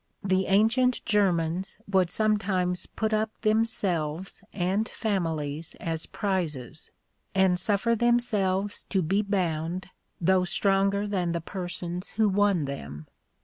The ancient Germans would sometimes put up themselves and families as prizes, and suffer themselves to be bound, though stronger than the persons who won them.